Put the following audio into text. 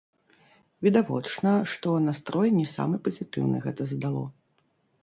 Відавочна, што настрой не самы пазітыўны гэта задало.